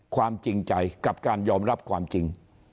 ความจริงใจกับการยอมรับความจริง